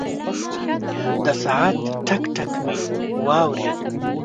د ساعت ټک، ټک مې واورېد.